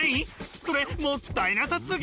それもったいなさすぎ！